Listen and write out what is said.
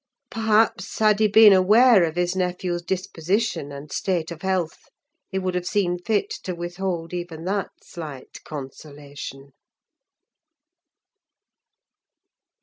Perhaps, had he been aware of his nephew's disposition and state of health, he would have seen fit to withhold even that slight consolation.